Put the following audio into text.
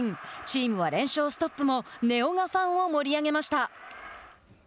チームは連勝ストップも根尾がファンを盛り上げました。